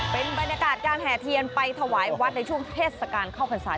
เป็นบรรยากาศการแห่เทียนไปถวายวัดในช่วงเทศกาลเข้าพรรษา